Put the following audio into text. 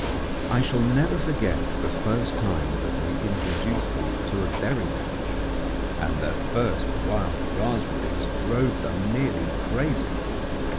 I shall never forget the first time that we introduced them to a berry patch; and their first wild raspberries drove them nearly crazy.